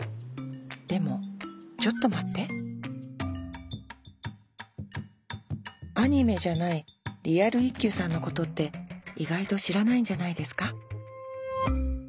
でもちょっと待ってアニメじゃないリアル一休さんのことって意外と知らないんじゃないですか